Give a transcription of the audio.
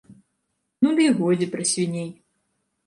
Ну дый годзе пра свіней.